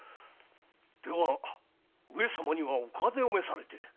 では上様にはお風邪を召されて？